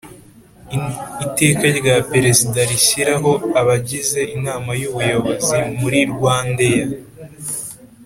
Iteka rya Perezida rishyiraho abagize Inama y Ubuyobozi muri Rwandaair